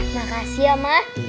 makasih ya mah